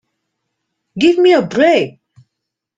Give me a break!